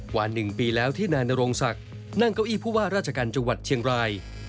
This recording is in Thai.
กว่า๑ปีแล้วที่นายนโรงศักดิ์นั่งเก้าอี้ผู้ว่าราชการจังหวัดเชียงราย